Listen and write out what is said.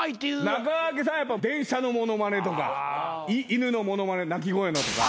中川家さんやっぱ電車の物まねとか犬の物まね鳴き声のとか。